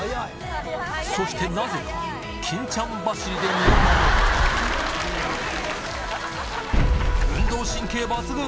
そしてなぜか欽ちゃん走りで身を守る運動神経抜群！